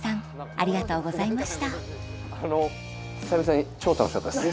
ありがとうございます。